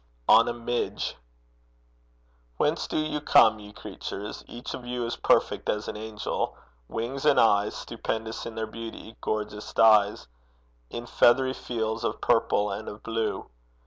ON A MIDGE. Whence do ye come, ye creature? Each of you Is perfect as an angel; wings and eyes Stupendous in their beauty gorgeous dyes In feathery fields of purple and of blue!